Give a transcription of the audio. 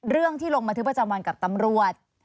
เรื่องที่ลงบันทึกประจำวันกับตำรวจ